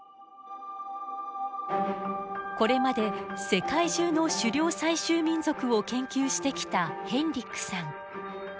これまで世界中の狩猟採集民族を研究してきたヘンリックさん。